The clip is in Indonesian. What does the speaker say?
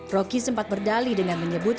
rocky sempat berdali dengan menyebut